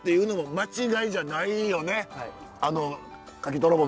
間違いやないよね